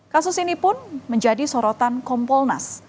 kasus ini pun menjadi sorotan kompolnas